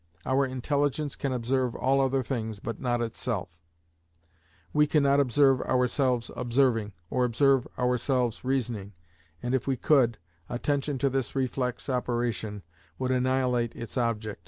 Our intelligence can observe all other things, but not itself: we cannot observe ourselves observing, or observe ourselves reasoning: and if we could, attention to this reflex operation would annihilate its object, by stopping the process observed.